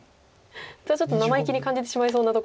ちょっと生意気に感じてしまいそうなところを。